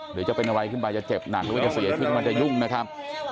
หรือจะเป็นอะไรขึ้นไปจะเจ็บหนักหรือว่าจะเสียขึ้นมันจะยุ่งนะครับ